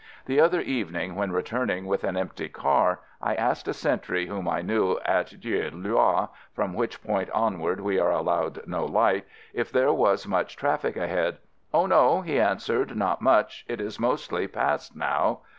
}The other evening when returning with FIELD SERVICE 143 an empty car, I asked a sentry whom I knew at Dieulouard (from which point onward we are allowed no light) if there was much traffic ahead. "Oh, no," he answered, "not much — it is mostly past now."